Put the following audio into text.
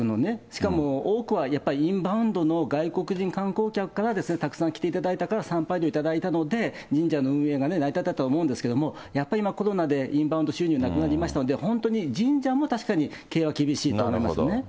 しかも多くはインバウンドの外国人観光客から、たくさん来ていただいたから、参拝料頂いたので、神社の運営が成り立ってるとは思うんですけど、やっぱり今、コロナでインバウンド収入なくなりましたので、本当に、神社も確かに経営は厳しいと思いますね。